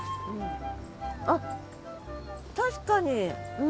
あっ確かに。